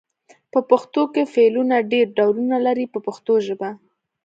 په پښتو کې فعلونه ډېر ډولونه لري په پښتو ژبه.